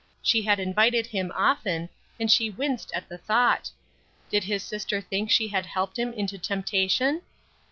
She had invited him often, and she winced at the thought. Did his sister think she had helped him into temptation?